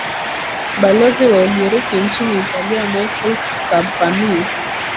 balozi wa ugiriki nchini italia michael kampaniz